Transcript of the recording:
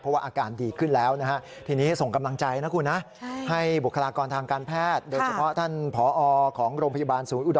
เพราะว่าอาการดีขึ้นแล้วนะฮะ